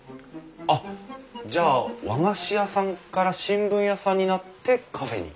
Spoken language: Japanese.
あっじゃあ和菓子屋さんから新聞屋さんになってカフェに？